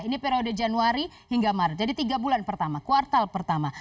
ini periode januari hingga maret jadi tiga bulan pertama kuartal pertama